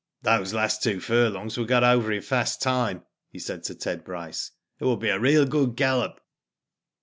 '* Those last two furlongs were got over in fast time," he said to Ted Bryce. "It will be a real good gallop."